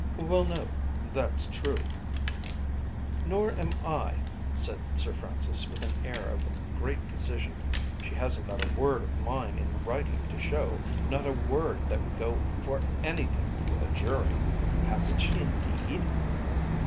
"Well, no; that's true." "Nor am I," said Sir Francis with an air of great decision. "She hasn't got a word of mine in writing to show, not a word that would go for anything with a jury." "Hasn't she indeed?"